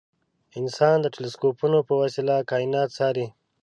انسان د تلسکوپونو په وسیله کاینات څاري.